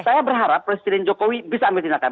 saya berharap presiden jokowi bisa ambil tindakan